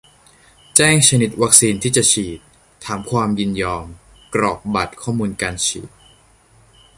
แจ้งชนิดวัคซีนที่จะฉีด ถามความยินยอม กรอกบัตรข้อมูลการฉีด